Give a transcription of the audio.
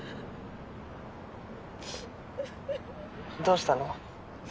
どうしたの？